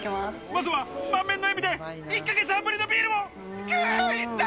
まずは満面の笑みで１ヶ月半ぶりのビールを行った！